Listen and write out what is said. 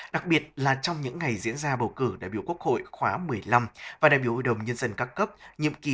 đặc biệt là trong những ngày diễn ra bầu cử đại biểu quốc hội khóa một mươi năm và đại biểu hội đồng nhân dân các cấp nhiệm kỳ hai nghìn hai mươi một hai nghìn hai mươi một